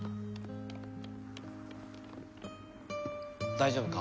大丈夫か？